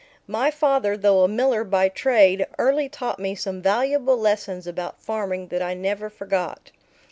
My father, though a miller by trade, early taught me some valuable lessons about farming that I never forgot.